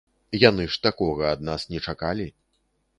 Яны ж такога ад нас не чакалі!